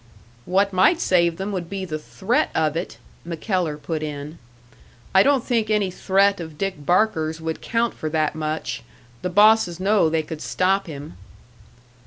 "What might save them would be the threat of it." MacKellar put in. "I don't think any threat of Dick Barker's would count for that much. The bosses know they could stop him."